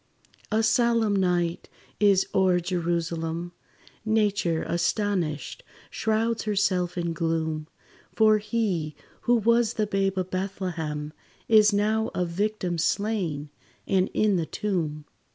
A solemn night is o'er Jerusalem; Nature astonished, shrouds herself in gloom; For he, who was the babe of Bethlehem, Is now a victim slain, and in the tomb!